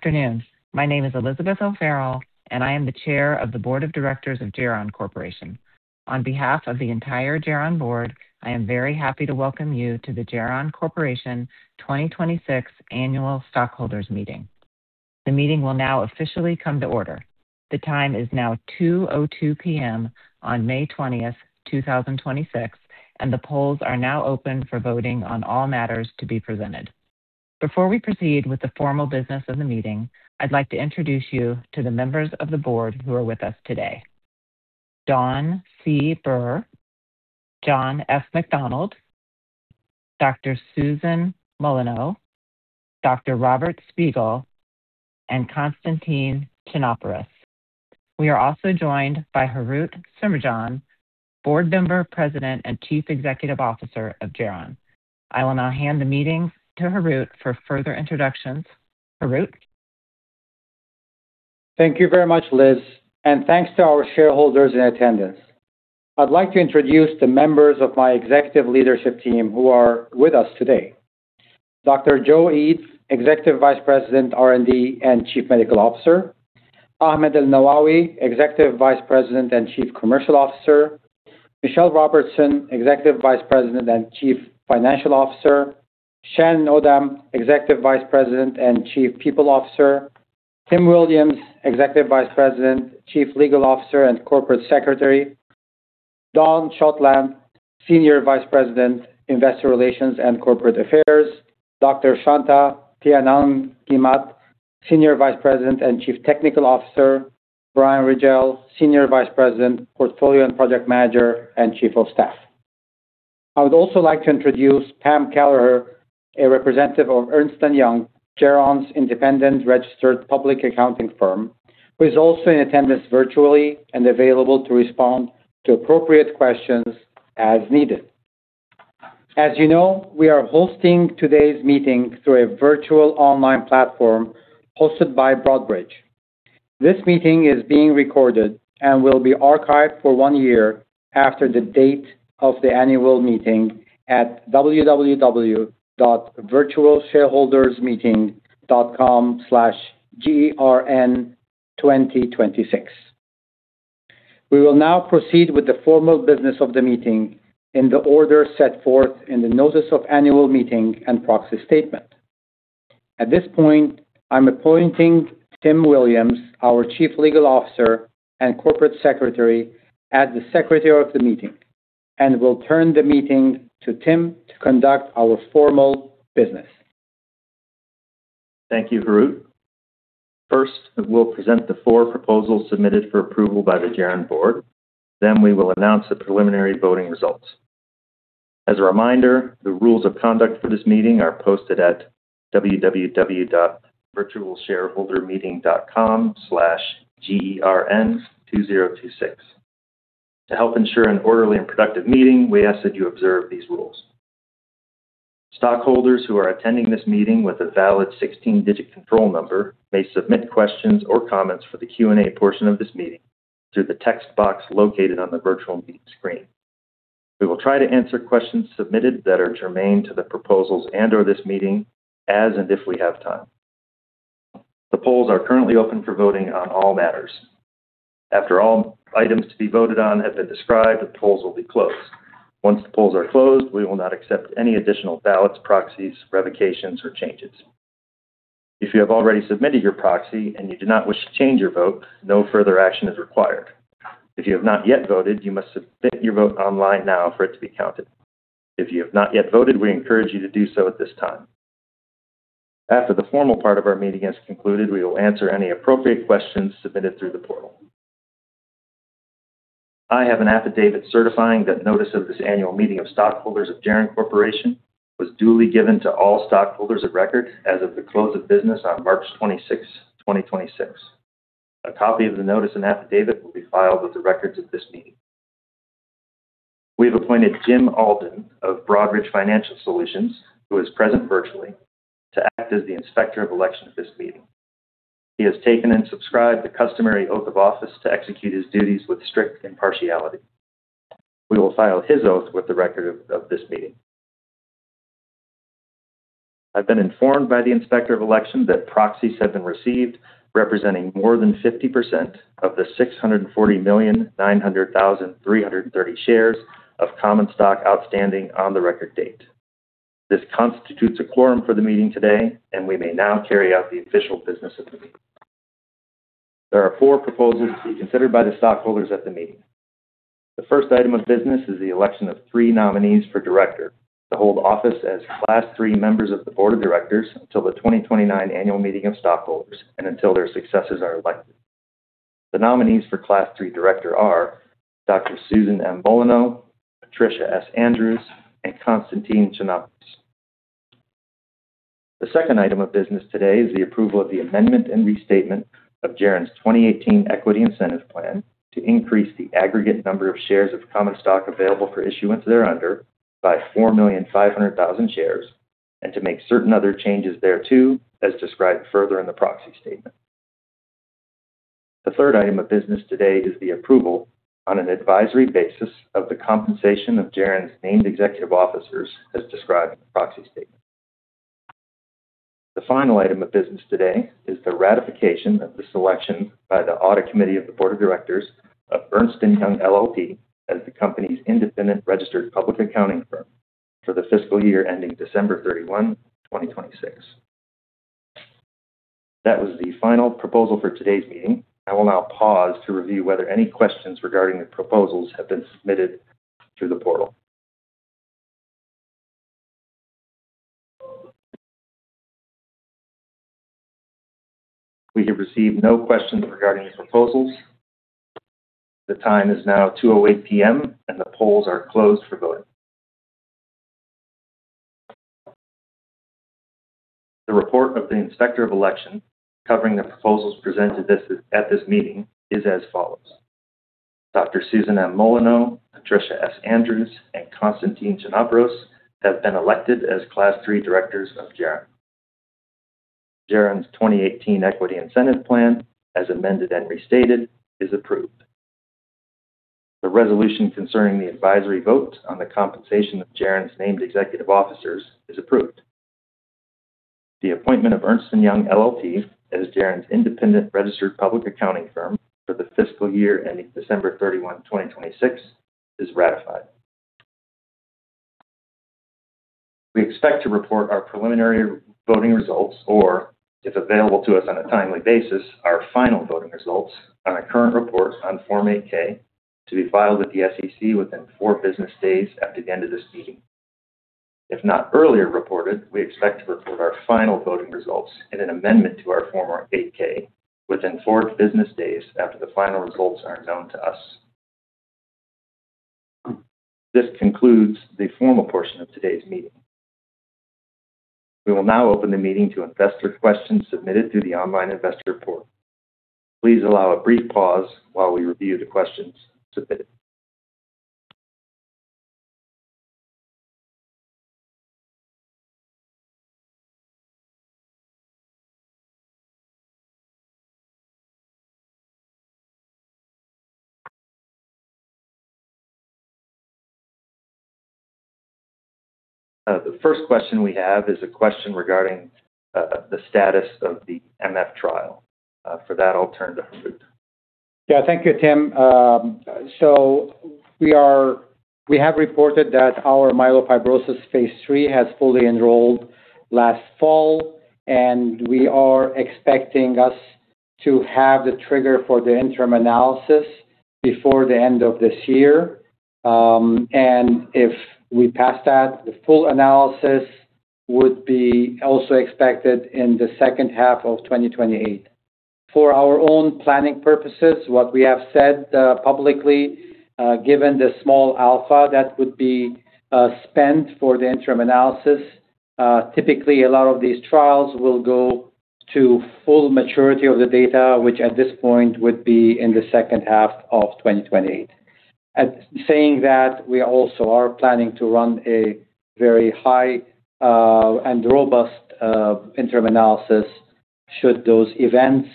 Afternoon. My name is Elizabeth O'Farrell, and I am the Chair of the Board of Directors of Geron Corporation. On behalf of the entire Geron Board, I am very happy to welcome you to the Geron Corporation 2026 Annual Stockholders Meeting. The meeting will now officially come to order. The time is now 2:02 P.M. on May 20th, 2026, and the polls are now open for voting on all matters to be presented. Before we proceed with the formal business of the meeting, I'd like to introduce you to the members of the board who are with us today. Dawn C. Bir, John F. McDonald, Dr. Susan Molineaux, Dr. Robert Spiegel, and Constantine Chinoporos. We are also joined by Harout Semerjian, Board member, President, and Chief Executive Officer of Geron. I will now hand the meeting to Harout for further introductions. Harout? Thank you very much, Liz, and thanks to our shareholders in attendance. I'd like to introduce the members of my executive leadership team who are with us today. Dr. Joe Eid, Executive Vice President R&D, and Chief Medical Officer. Ahmed ElNawawi, Executive Vice President and Chief Commercial Officer. Michelle Robertson, Executive Vice President and Chief Financial Officer. Shannon Odam, Executive Vice President and Chief People Officer. Tim Williams, Executive Vice President, Chief Legal Officer, and Corporate Secretary. Dawn Schottlandt, Senior Vice President, Investor Relations and Corporate Affairs. Dr. Shanthakumar Tyavanagimatt, Senior Vice President and Chief Technical Officer. Bryan Ridgell, Senior Vice President, Portfolio and Project Manager, and Chief of Staff. I would also like to introduce Pam Kelleher, a representative of Ernst & Young, Geron's independent registered public accounting firm, who is also in attendance virtually and available to respond to appropriate questions as needed. As you know, we are hosting today's meeting through a virtual online platform hosted by Broadridge. This meeting is being recorded and will be archived for one year after the date of the annual meeting at www.virtualshareholdersmeeting.com/gern2026. We will now proceed with the formal business of the meeting in the order set forth in the Notice of Annual Meeting and Proxy Statement. At this point, I'm appointing Tim Williams, our Chief Legal Officer and Corporate Secretary, as the secretary of the meeting and will turn the meeting to Tim to conduct our formal business. Thank you, Harout. First, we'll present the four proposals submitted for approval by the Geron Board. We will announce the preliminary voting results. As a reminder, the rules of conduct for this meeting are posted at www.virtualshareholdermeeting.com/gern2026. To help ensure an orderly and productive meeting, we ask that you observe these rules. Stockholders who are attending this meeting with a valid 16-digit control number may submit questions or comments for the Q and A portion of this meeting through the text box located on the virtual meeting screen. We will try to answer questions submitted that are germane to the proposals and or this meeting as and if we have time. The polls are currently open for voting on all matters. After all items to be voted on have been described, the polls will be closed. Once the polls are closed, we will not accept any additional ballots, proxies, revocations, or changes. If you have already submitted your proxy and you do not wish to change your vote, no further action is required. If you have not yet voted, you must submit your vote online now for it to be counted. If you have not yet voted, we encourage you to do so at this time. After the formal part of our meeting has concluded, we will answer any appropriate questions submitted through the portal. I have an affidavit certifying that notice of this annual meeting of stockholders of Geron Corporation was duly given to all stockholders of record as of the close of business on March 26, 2026. A copy of the notice and affidavit will be filed with the records of this meeting. We have appointed Jim Alden of Broadridge Financial Solutions, who is present virtually, to act as the Inspector of Election at this meeting. He has taken and subscribed the customary oath of office to execute his duties with strict impartiality. We will file his oath with the record of this meeting. I've been informed by the Inspector of Election that proxies have been received representing more than 50% of the 640,900,330 shares of common stock outstanding on the record date. This constitutes a quorum for the meeting today, and we may now carry out the official business of the meeting. There are four proposals to be considered by the stockholders at the meeting. The first item of business is the election of three nominees for director to hold office as Class III members of the Board of Directors until the 2029 annual meeting of stockholders and until their successors are elected. The nominees for Class III director are Dr. Susan M. Molineaux, Patricia S. Andrews, and Constantine Chinoporos. The second item of business today is the approval of the amendment and restatement of Geron's 2018 Equity Incentive Plan to increase the aggregate number of shares of common stock available for issuance thereunder by 4,500,000 shares and to make certain other changes thereto, as described further in the proxy statement. The third item of business today is the approval on an advisory basis of the compensation of Geron's named executive officers as described in the proxy statement. The final item of business today is the ratification of the selection by the Audit Committee of the Board of Directors of Ernst & Young LLP as the company's independent registered public accounting firm for the fiscal year ending December 31, 2026. That was the final proposal for today's meeting. I will now pause to review whether any questions regarding the proposals have been submitted through the portal. We have received no questions regarding the proposals. The time is now 2:08 P.M., and the polls are closed for voting. The report of the Inspector of Election covering the proposals presented at this meeting is as follows. Dr. Susan M. Molineaux, Patricia S. Andrews, and Constantine Chinoporos have been elected as Class III directors of Geron. Geron's 2018 Equity Incentive Plan, as amended and restated, is approved. The resolution concerning the advisory vote on the compensation of Geron's named executive officers is approved. The appointment of Ernst & Young LLP as Geron's independent registered public accounting firm for the fiscal year ending December 31, 2026, is ratified. We expect to report our preliminary voting results, or if available to us on a timely basis, our final voting results on a current report on Form 8-K to be filed with the SEC within four business days after the end of this meeting. If not earlier reported, we expect to report our final voting results in an amendment to our Form 8-K within four business days after the final results are known to us. This concludes the formal portion of today's meeting. We will now open the meeting to investor questions submitted through the online investor portal. Please allow a brief pause while we review the questions submitted. The first question we have is a question regarding the status of the MF trial. For that, I'll turn to Harout. Yeah. Thank you, Tim. We have reported that our myelofibrosis phase III has fully enrolled last fall, and we are expecting us to have the trigger for the interim analysis before the end of this year. If we pass that, the full analysis would be also expected in the second half of 2028. For our own planning purposes, what we have said publicly, given the small alpha that would be spent for the interim analysis, typically, a lot of these trials will go to full maturity of the data, which at this point would be in the second half of 2028. Saying that, we also are planning to run a very high and robust interim analysis should those events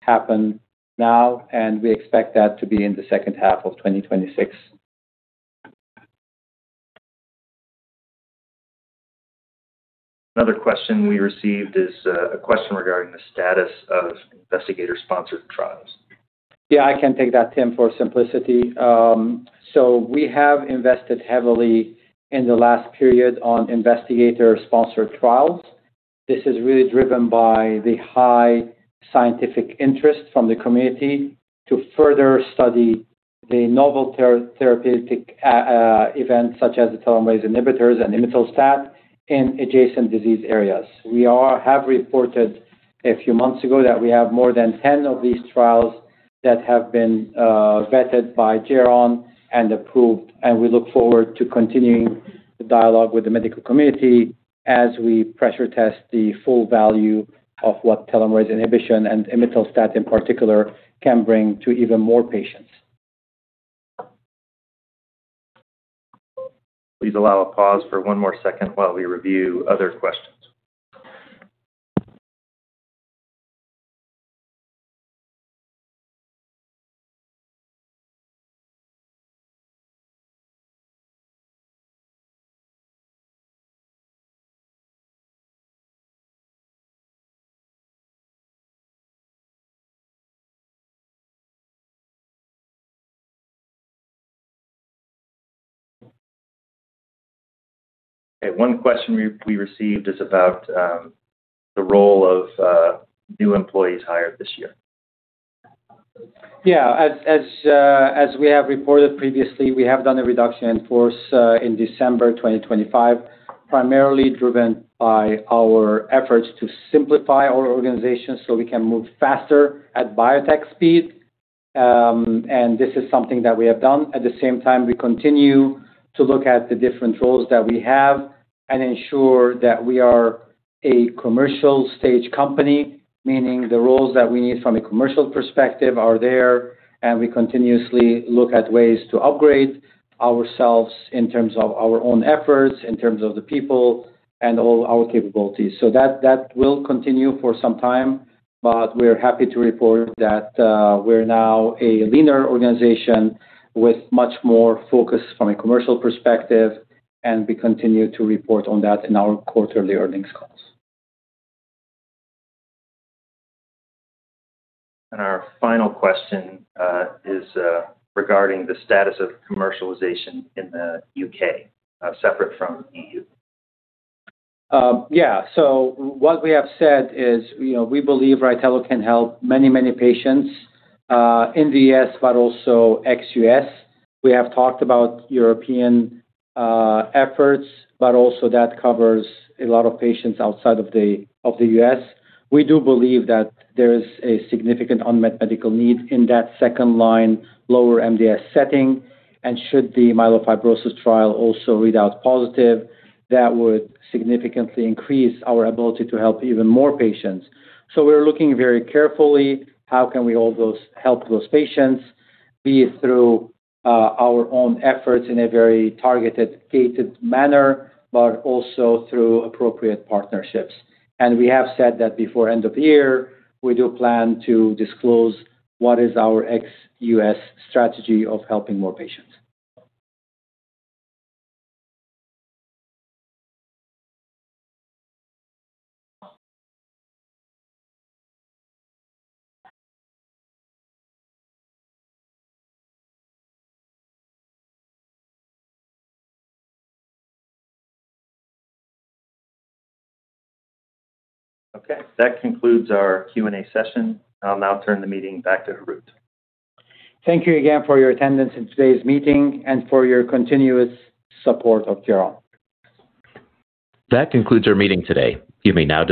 happen now, and we expect that to be in the second half of 2026. Another question we received is a question regarding the status of investigator-sponsored trials. Yeah, I can take that, Tim, for simplicity. We have invested heavily in the last period on investigator-sponsored trials. This is really driven by the high scientific interest from the community to further study the novel therapeutic events such as the telomerase inhibitors and imetelstat in adjacent disease areas. We have reported a few months ago that we have more than 10 of these trials that have been vetted by Geron and approved, and we look forward to continuing the dialogue with the medical community as we pressure test the full value of what telomerase inhibition and imetelstat, in particular, can bring to even more patients. Please allow a pause for one more second while we review other questions. Okay. One question we received is about the role of new employees hired this year. Yeah. As we have reported previously, we have done a reduction in force in December 2025, primarily driven by our efforts to simplify our organization so we can move faster at biotech speed. This is something that we have done. At the same time, we continue to look at the different roles that we have and ensure that we are a commercial-stage company, meaning the roles that we need from a commercial perspective are there, and we continuously look at ways to upgrade ourselves in terms of our own efforts, in terms of the people, and all our capabilities. That will continue for some time. We are happy to report that we're now a leaner organization with much more focus from a commercial perspective, and we continue to report on that in our quarterly earnings calls. Our final question is regarding the status of commercialization in the U.K., separate from EU. Yeah. What we have said is we believe RYTELO can help many patients in the U.S., but also ex-U.S. We have talked about European efforts, but also that covers a lot of patients outside of the U.S. We do believe that there is a significant unmet medical need in that second line lower MDS setting. Should the myelofibrosis trial also read out positive, that would significantly increase our ability to help even more patients. We're looking very carefully how can we help those patients, be it through our own efforts in a very targeted, gated manner, but also through appropriate partnerships. We have said that before end of year, we do plan to disclose what is our ex-U.S. strategy of helping more patients. Okay. That concludes our Q and A session. I'll now turn the meeting back to Harout. Thank you again for your attendance in today's meeting and for your continuous support of Geron. That concludes our meeting today. You may now disconnect.